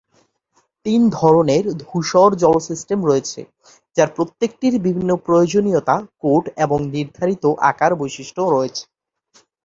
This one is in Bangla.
তিন ধরনের ধূসর জল সিস্টেম রয়েছে যার প্রত্যেকটির বিভিন্ন প্রয়োজনীয়তা, কোড এবং নির্ধারিত আকার বৈশিষ্ট্য রয়েছে।